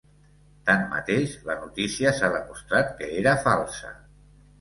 Tanmateix, la notícia s’ha demostrat que era falsa.